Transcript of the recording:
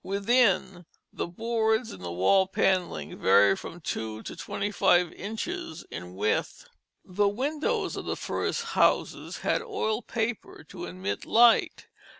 Within, the boards in the wall panelling vary from two to twenty five inches in width. The windows of the first houses had oiled paper to admit light.